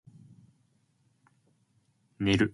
Neither.